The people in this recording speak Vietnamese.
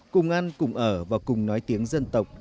cùng ăn cùng ở và cùng nói tiếng dân tộc